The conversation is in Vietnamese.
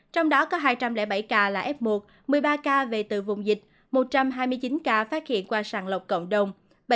trong đó có hai trăm linh bảy ca là f một một mươi ba ca về từ vùng dịch một trăm hai mươi chín ca phát hiện qua sàng lọc cộng đồng